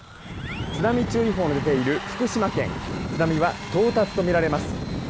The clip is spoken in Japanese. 津波注意報の出ている福島県津波は到達とみられます。